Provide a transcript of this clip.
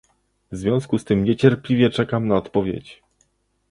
W związku z tym niecierpliwie czekam na odpowiedź